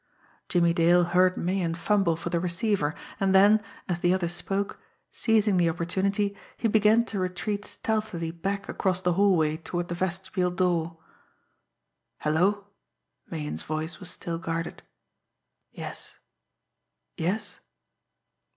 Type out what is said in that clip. Jimmie Dale heard Meighan fumble for the receiver; and then, as the other spoke, seizing the opportunity, he began to retreat stealthily back across the hallway toward the vestibule door. "Hello!" Meighan's voice was still guarded. "Yes yes